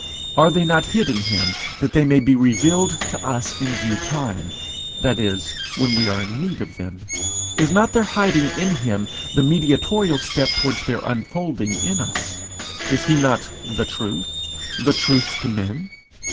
Are they not hid in him that they may be revealed to us in due time that is, when we are in need of them? Is not their hiding in him the mediatorial step towards their unfolding in us? Is he not the Truth? the Truth to men?